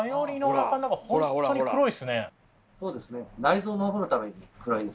そうですね。